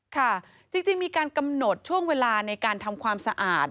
ค่ะจริงมีการกำหนดช่วงเวลาในการทำความสะอาด